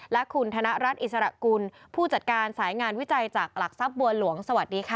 และคุณธนรัฐอิสระกุลผู้จัดการสายงานวิจัยจากหลักทรัพย์บัวหลวงสวัสดีค่ะ